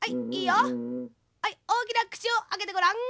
はいおおきなくちをあけてごらん。